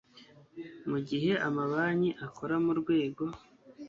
Mu gihe amabanki akora mu rwego